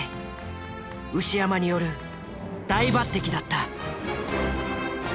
牛山による大抜擢だった。